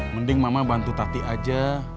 mending mama bantu tati aja